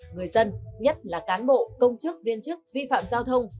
người dân nhất là cán bộ công chức viên chức vi phạm giao thông